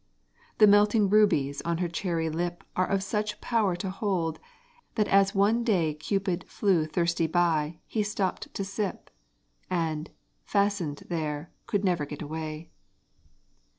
The melting rubies on her cherry lip Are of such power to hold, that as one day Cupid flew thirsty by, he stooped to sip: And, fastened there, could never get away.